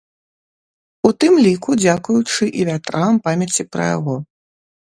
У тым ліку дзякуючы і вятрам памяці пра яго.